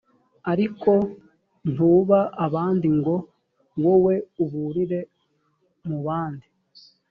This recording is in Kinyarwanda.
ariko ntuba abandi ngo wowe uburire mu bandi